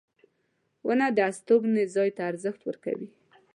• ونه د استوګنې ځای ته ارزښت ورکوي.